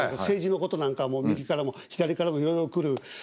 政治のことなんかも右からも左からもいろいろ来る。